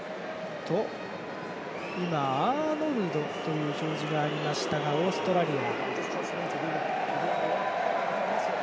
アーノルドという表示がありましたがオーストラリア。